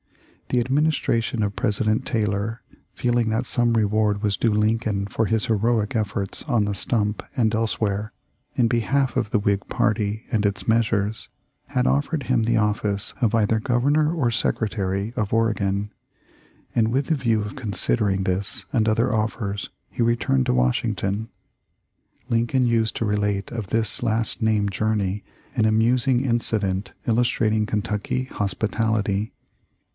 The administration of President Taylor feeling that some reward was due Lincoln for his heroic efforts on the stump and elsewhere in behalf of the Whig party and its measures, had offered him the office of either Governor or Secre tary of Oregon, and with the view of considering this and other offers he returned to Washington. Lincoln used to relate of this last named journey an amusing incident illustrating Kentucky hospi tality.